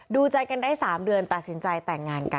ดูใจกันได้๓เดือนตัดสินใจแต่งงานกัน